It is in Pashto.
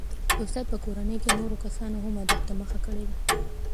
د استاد په کورنۍ کې نورو کسانو هم ادب ته مخه کړې ده.